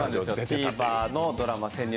ＴＶｅｒのドラマ「潜入